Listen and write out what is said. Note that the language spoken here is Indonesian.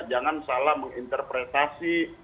jangan salah menginterpretasi